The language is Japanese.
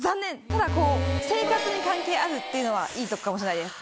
ただ生活に関係あるっていうのはいいとこかもしれないです